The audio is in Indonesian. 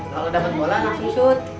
kalau dapet bola langsung shoot